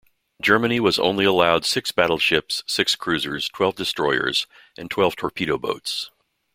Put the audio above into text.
Germany was only allowed six battleships, six cruisers, twelve destroyers, and twelve torpedo boats.